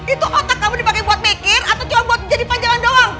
itu otak kamu dipakai buat mikir atau coba jadi panjangan doang